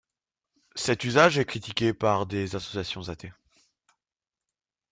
Cet usage est critiqué par des associations athées.